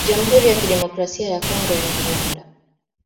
Jamhuri ya Kidemokrasia ya Kongo na Rwanda zajibizana kuhusu kundi la waasi